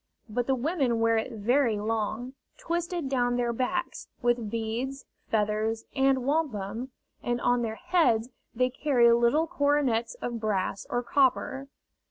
But the women wear it very long, twisted down their backs, with beads, feathers, and wampum, and on their heads they carry little coronets of brass or copper.